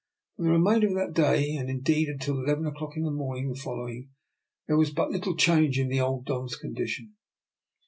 For the remainder of that day and, indeed, until eleven o'clock on the morning following, there was but little change in the old Don's condition.